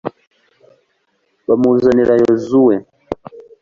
bamuzanira yozuwe